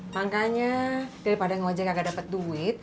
makanya daripada ngajak nggak dapat duit